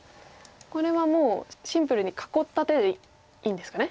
これはもうシンプルに囲った手でいいんですかね。